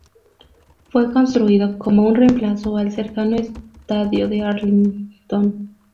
Fue construido como un reemplazo al cercano Estadio de Arlington.